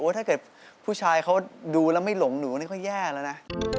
ถ้าเกิดผู้ชายเขาดูแล้วไม่หลงหนูนี่เขาแย่แล้วนะ